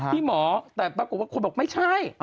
ที่หมอแต่ปรากฏว่าคนบอกไม่ใช่